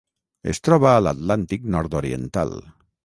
Es troba a l'Atlàntic nord-oriental: